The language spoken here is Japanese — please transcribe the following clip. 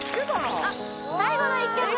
最後の一曲